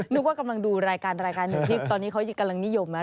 นึกว่ากำลังดูรายการรายการหนึ่งที่ตอนนี้เขากำลังนิยมนะ